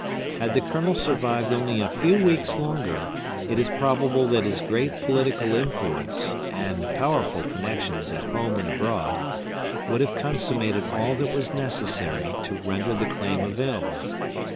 Had the Colonel survived only a few weeks longer, it is probable that his great political influence, and powerful connections at home and abroad, would have consummated all that was necessary to render the claim available.